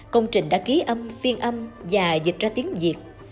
công trình đã ký âm phiên âm và dịch ra tiếng việt